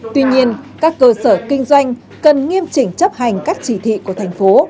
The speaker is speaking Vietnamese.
tuy nhiên các cơ sở kinh doanh cần nghiêm chỉnh chấp hành các chỉ thị của thành phố